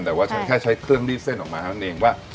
แต่ว่าฉันแค่ใช้เครื่องรีดเส้นออกมาเท่านั้นเองว่า